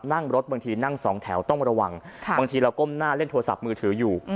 นั่งรถบางทีนั่งสองแถวต้องระวังบางทีเราก้มหน้าเล่นโทรศัพท์มือถืออยู่